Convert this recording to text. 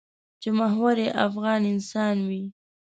چې محور یې افغان انسان وي.